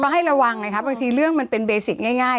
ให้ระวังไงครับบางทีเรื่องมันเป็นเบสิกง่าย